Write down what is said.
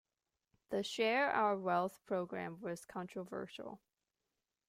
The Share Our Wealth program was controversial.